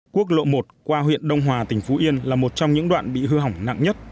quốc lộ một qua huyện đông hòa tỉnh phú yên là một trong những đoạn bị hư hỏng nặng nhất